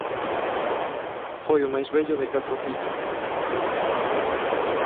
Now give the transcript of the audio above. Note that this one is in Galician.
Foi o máis vello de catro fillos.